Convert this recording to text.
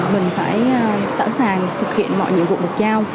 mình phải sẵn sàng thực hiện mọi nhiệm vụ được giao